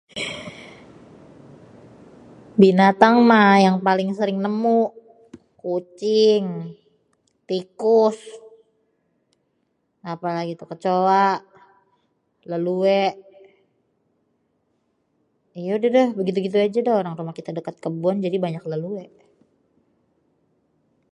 Binatang mah yang paling sering nemu kucing, tikus, apalagi tuh, kecoa, leluwé. Ya udadah begitu-gitu aja orang rumah kita deket kebon jadi banyak leluwé.